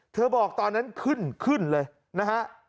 บอกตอนนั้นขึ้นขึ้นเลยนะฮะ